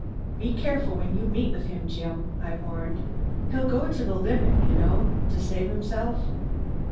"Be careful when you meet him, Jim," I warned. "He'll go to the limit, you know, to save himself."